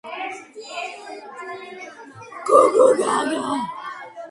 მისი თარგმანები ქართული მთარგმნელობითი ლიტერატურის მნიშვნელოვანი შენაძენია.